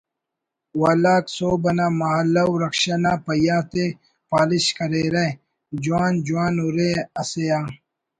والاک سہب انا مہالو رکشہ نا پہیہ تے پالش کریرہ جوان جوان ہُرے اسے آ